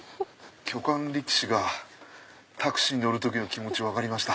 巨漢力士がタクシーに乗る時の気持ち分かりました。